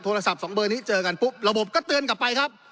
โทรศัพท์สองเบอร์นี้เจอกันปุ๊บระบบก็เตือนกลับไปครับ